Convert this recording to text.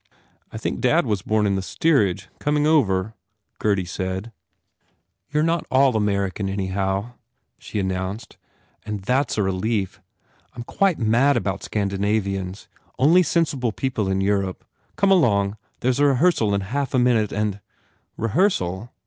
"I think dad was born in the steerage, coming over," Gurdy said. "You re not at all American, anyhow," she announced, "and that s a relief. I m quite mad about Scandinavians. Only sensible people in Europe. Come along. There s a rehearsal in half a minute and "Rehearsal?"